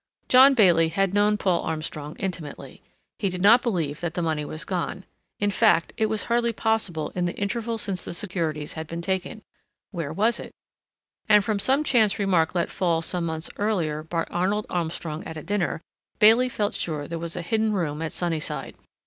John Bailey had known Paul Armstrong intimately. He did not believe that the money was gone; in fact, it was hardly possible in the interval since the securities had been taken. Where was it? And from some chance remark let fall some months earlier by Arnold Armstrong at a dinner, Bailey felt sure there was a hidden room at Sunnyside.